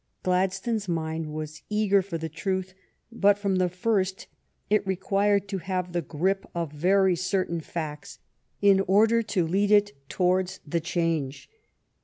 Gladstone's mind was eager for the truth, but from the first it required to have the grip of very certain facts in order to lead it on towards the change.